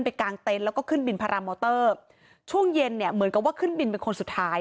กลางเต็นต์แล้วก็ขึ้นบินพารามอเตอร์ช่วงเย็นเนี่ยเหมือนกับว่าขึ้นบินเป็นคนสุดท้าย